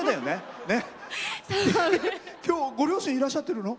きょう、ご両親いらっしゃってるの？